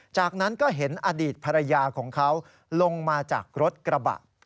จากนั้นก็เห็นอดีตภรรยาของเขาลงมาจากรถกระบะ